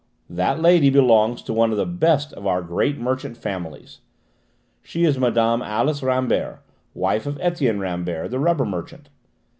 "That lady belongs to one of the best of our great merchant families. She is Mme. Alice Rambert, wife of Etienne Rambert, the rubber merchant.